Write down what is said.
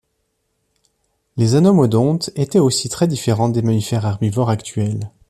Les anomodontes étaient aussi très différents des mammifères herbivores actuels.